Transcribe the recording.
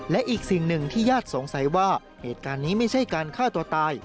และอีกสิ่งหนึ่งที่ญาติสงสัยว่าเหตุการณ์นี้ไม่ใช่การฆ่าตัวตาย